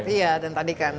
iya dan tadi kan